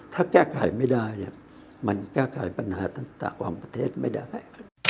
ถ้าแก้ไขไม่ได้มันแก้ไขปัญหาต่างของประเทศไม่ได้